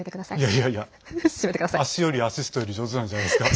いやいや、足よりアシストより上手なんじゃないですか。